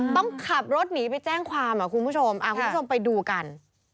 ต้องขับรถหนีไปแจ้งความคุณผู้ชมคุณผู้ชมไปดูกัน